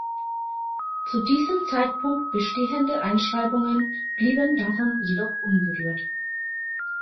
Zu diesem Zeitpunkt bestehende Einschreibungen blieben davon jedoch unberührt.